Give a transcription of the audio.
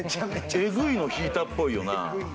えぐいの引いたっぽいよな。